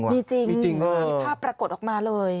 มีจริงมีภาพปรากฏออกมาเลย